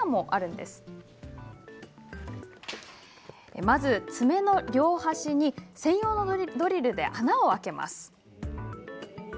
まず爪の両端に専用のドリルで穴を開けます。